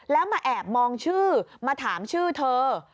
แล้วมาแอบมองชื่อมาถามชื่อเธอ